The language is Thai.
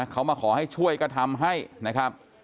เขามาขอให้ช่วยก็ทำให้นะครับ